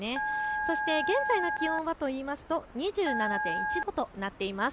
そして現在の気温はというと、２７．１度となっています。